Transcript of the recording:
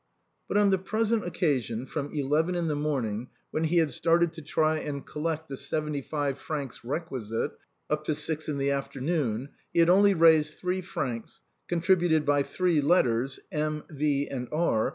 But on the present occasion, from eleven in the morning, when he had started to try and collect the seventy five francs requisite, up to six in the afternoon, he had only raised three francs, contributed by three letters (M., V., and R.)